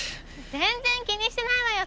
全然気にしてないわよ